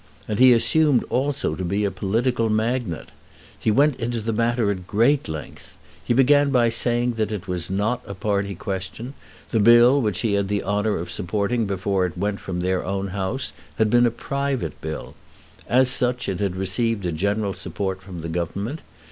And he assumed also to be a political magnate. He went into the matter at great length. He began by saying that it was not a party question. The Bill, which he had had the honour of supporting before it went from their own House, had been a private Bill. As such it had received a general support from the Government.